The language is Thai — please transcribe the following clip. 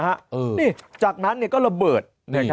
นี่จากนั้นก็ระเบิด